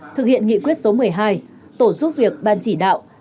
thực hiện nghị quyết số một mươi hai tổ giúp việc ban chỉ đạo